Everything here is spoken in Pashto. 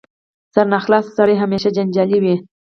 سرناخلاصه سړی همېشه جنجالي وي.